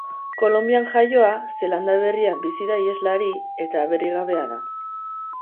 Kolonbian jaioa, Zeelanda Berrian bizi da iheslari, eta aberrigabea da.